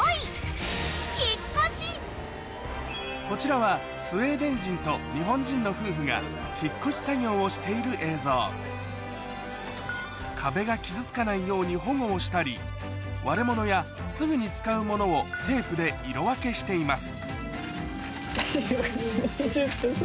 こちらはスウェーデン人と日本人の夫婦が引っ越し作業をしている映像壁が傷つかないように保護をしたり割れ物やすぐに使う物をテープで色分けしています